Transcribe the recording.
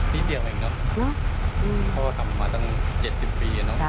ที่เดี่ยวเองนะเขาก็ทำมาตั้ง๗๐ปี